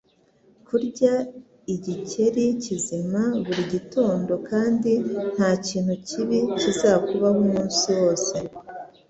Kurya igikeri kizima buri gitondo, kandi ntakintu kibi kizakubaho umunsi wose.